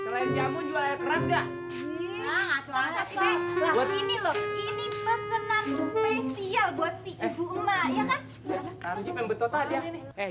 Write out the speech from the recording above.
selain jamu jual air keras gak